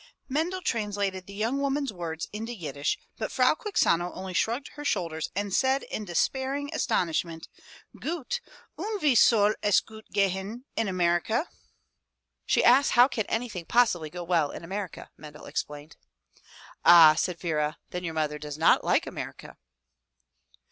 Mendel translated the young woman's words into Yiddish but Frau Quixano only shrugged her shoulders and said in despairing astonishment.*'Gw/.^C/w'w;/g5c?//^5^w/^g/i^w — inAmerika?'* "She asks how can anything possibly go well in America." Mendel explained. 185 MY BOOK HOUSE "Ah!'' said Vera, "then your mother does not like America!"